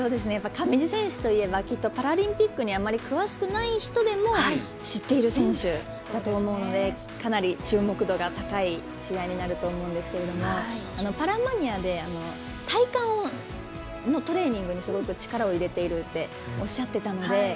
上地選手といえばきっとパラリンピックにあまり詳しくない人でも知っている選手だと思うのでかなり注目度が高い試合になると思うんですけれども「パラマニア」で体幹のトレーニングにすごく力を入れているっておっしゃっていたので。